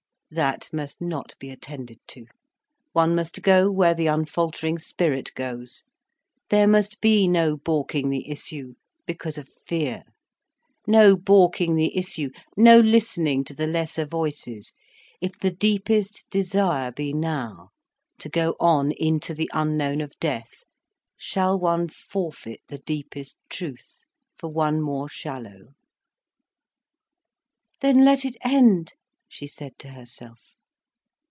That must not be attended to. One must go where the unfaltering spirit goes, there must be no baulking the issue, because of fear. No baulking the issue, no listening to the lesser voices. If the deepest desire be now, to go on into the unknown of death, shall one forfeit the deepest truth for one more shallow? "Then let it end," she said to herself.